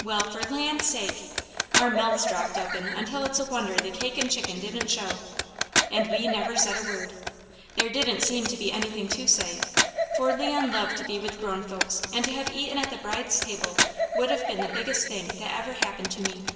Well for land's sake! Our mouths dropped open until it's a wonder the cake and chicken didn't show, and we never said a word. There didn't seem to be anything to say, for Leon loved to be with grown folks, and to have eaten at the bride's table would have been the biggest thing that ever happened to me.